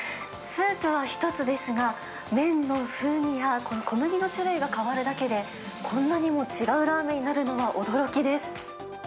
スープは１つですが、麺の風味や、小麦の種類が変わるだけで、こんなにも違うラーメンになるのは驚きです。